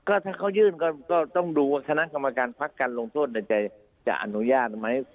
ก็ถ้าเขายื่นก็ต้องดูว่าคณะกรรมการพักการลงโทษในใจจะอนุญาตไหม